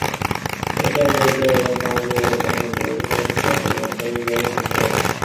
তিনি তাঁর পরিচয় এবং সামাজিক অবস্থান সম্পর্কে সচেতন এবং শারীরিকভাবে সুস্থ আছেন।